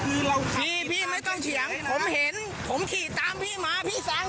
คือเราขี่พี่ไม่ต้องเฉียงผมเห็นผมขี่ตามพี่หมาพี่แซง